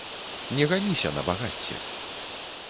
Не ганіся на багацце.